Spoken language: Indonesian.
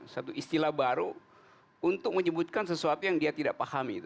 satu istilah baru untuk menyebutkan sesuatu yang dia tidak pahami